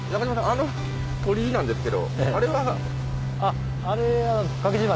あの鳥居なんですけどあれは？